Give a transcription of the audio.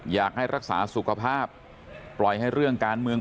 อยากให้รักษาสุขภาพปล่อยให้เรื่องการเมือง